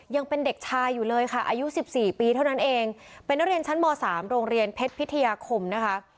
ยังเป็นเด็กชายอยู่เลยค่ะอายุ๑๔ปีเท่านั้นเองเป็นนักเรียนชั้นม๓โรงเรียนเพชรพิทยาคมนะคะ